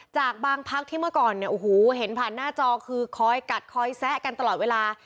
จากบางพักที่เมื่อก่อนเนี่ยโอ้โหเห็นผ่านหน้าจอคือคอยกัดคอยแซะกันตลอดเวลา